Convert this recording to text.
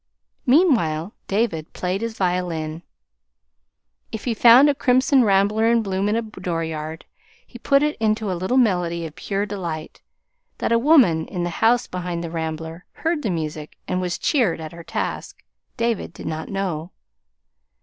Meanwhile David played his violin. If he found a crimson rambler in bloom in a door yard, he put it into a little melody of pure delight that a woman in the house behind the rambler heard the music and was cheered at her task, David did not know.